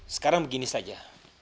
sekarang begini saja